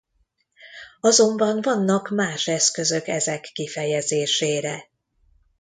Azonban vannak más eszközök ezek kifejezésére.